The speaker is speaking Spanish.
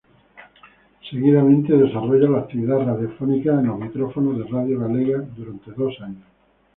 Seguidamente, desarrolla la actividad radiofónica en los micrófonos de Radio Galega durante dos años.